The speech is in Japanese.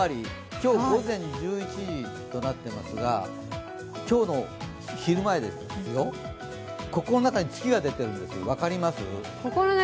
今日午前１１時となっていますが今日の昼前ですよ、ここの中に月が出てるんです、分かります？